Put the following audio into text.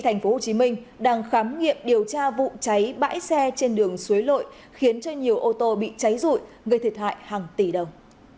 những bãi xe trên đường suối lội khiến cho nhiều ô tô bị cháy rụi gây thiệt hại hàng tỷ đồng